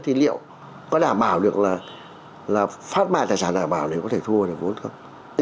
thì liệu có đảm bảo được là phát bài tài sản đảm bảo để có thể thu hồi được vốn không